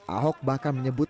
ahok bahkan menyebut